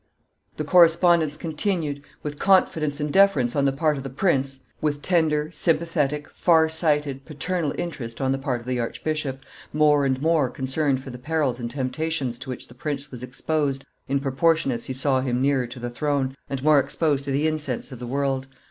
The correspondence continued, with confidence and deference on the part of the prince, with tender, sympathetic, far sighted, paternal interest on the part of the archbishop, more and more concerned for the perils and temptations to which the prince was exposed in proportion as he saw him nearer to the throne and more exposed to the incense of the world.